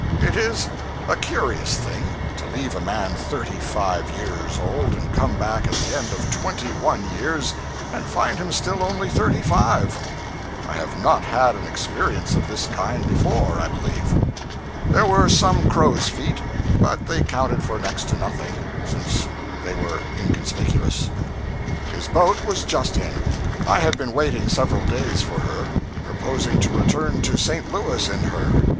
It is a curious thing, to leave a man thirty five years old, and come back at the end of twenty one years and find him still only thirty five. I have not had an experience of this kind before, I believe. There were some crow's feet, but they counted for next to nothing, since they were inconspicuous. His boat was just in. I had been waiting several days for her, purposing to return to St. Louis in her.